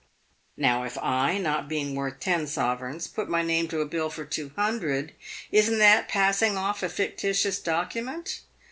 Now if I, not being worth ten sovereigns, put my name to a bill for two hundred, isn't that passing off a ficti tious document